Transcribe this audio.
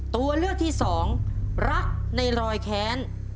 ตัวเลือกที่สองรักในรอยแค้น